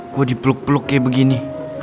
gue dipeluk peluk kayak begini